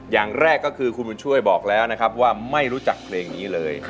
อย่างแรกก็คือคุณบุญช่วยบอกแล้วนะครับว่าไม่รู้จักเพลงนี้เลย